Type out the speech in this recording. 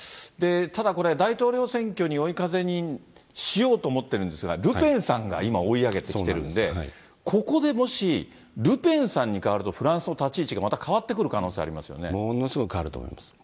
ただ、これ、大統領選挙の追い風にしようと思ってるんですが、ルペンさんが今、追い上げてきてるんで、ここでもし、ルペンさんに代わるとフランスの立ち位置がまた変わってくる可能ものすごい変わると思います。